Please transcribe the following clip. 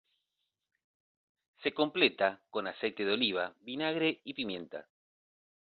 Se completa con aceite de oliva, vinagre y pimienta.